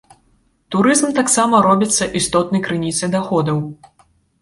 Турызм таксама робіцца істотнай крыніцай даходаў.